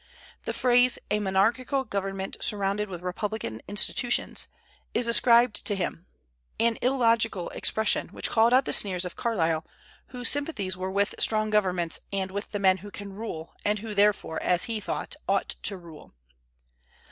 The phrase, "a monarchical government surrounded with republican institutions," is ascribed to him, an illogical expression, which called out the sneers of Carlyle, whose sympathies were with strong governments and with the men who can rule, and who therefore, as he thought, ought to rule.